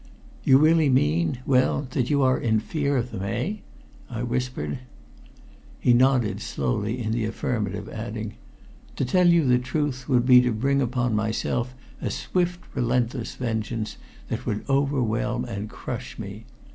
"You really mean well, that you are in fear of them eh?" I whispered. He nodded slowly in the affirmative, adding: "To tell you the truth would be to bring upon myself a swift, relentless vengeance that would overwhelm and crush me.